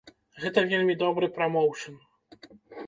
Гэта вельмі добры прамоўшн.